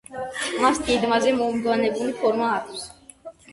მას გეგმაზე მომრგვალებული ფორმა აქვს.